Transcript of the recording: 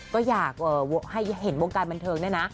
ก็อยากให้เห็นวงการบันเทิงเนี่ยนะ